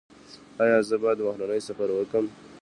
ایا زه باید بهرنی سفر وکړم؟